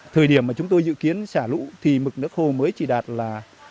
thời điểm mà chúng tôi dự kiến xả lũ thì mực nước hồ mới chỉ đạt là hai mươi chín mươi